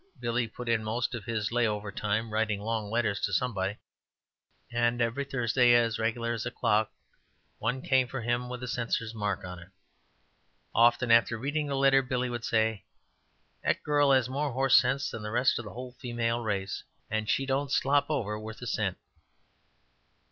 Billy put in most of his lay over time writing long letters to somebody, and every Thursday, as regular as a clock, one came for him, with a censor's mark on it. Often after reading the letter, Billy would say: "That girl has more horse sense than the rest of the whole female race she don't slop over worth a cent."